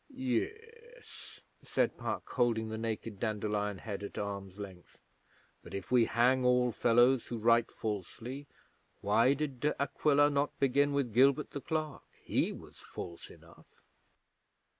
'Ye es,' said Puck, holding the naked dandelion head at arm's length. 'But if we hang all fellows who write falsely, why did De Aquila not begin with Gilbert the Clerk? He was false enough.'